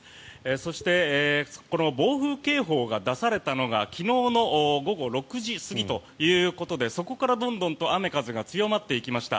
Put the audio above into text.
そしてこの暴風警報が出されたのが昨日の午後６時過ぎということでそこからどんどんと雨風が強まっていきました。